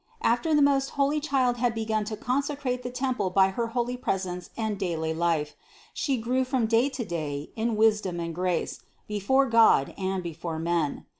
After the most holy Child had begun to consecrate the temple by her holy presence and daily life, She grew from day to day in wisdom and grace, before God and before men.